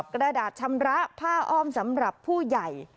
กระดาษชำระผ้าอ้อมสำหรับผู้ใหญ่